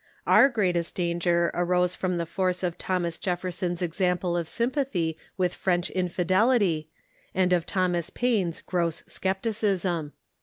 Our greatest danger arose from the force of Thomas Jefferson's example of sympathy with French infidel ity, and of Thomas Paine's gross scepticism.